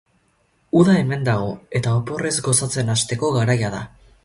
Uda hemen dago, eta oporrez gozatzen hasteko garaia da!